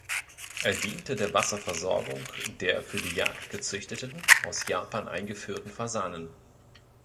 Er diente der Wasserversorgung der für die Jagd gezüchteten, aus Japan eingeführten Fasanen.